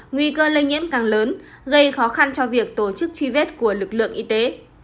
nguy cơ lây nhiễm càng lớn gây khó khăn cho việc tổ chức truy vết của lực lượng y tế